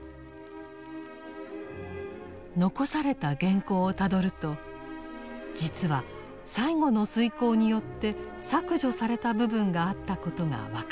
残された原稿をたどると実は最後の推敲によって削除された部分があったことが分かります。